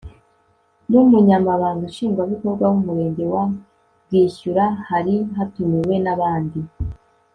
n'umunyamabanga nshingwabikorwa w'umurenge wa bwishyura. hari hatumiwe n'abandi